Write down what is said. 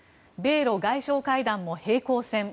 米ロ外相会談も平行線。